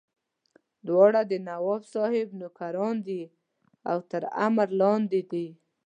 دواړه د نواب صاحب نوکران دي او تر امر لاندې دي.